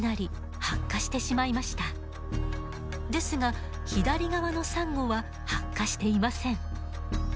ですが左側のサンゴは白化していません。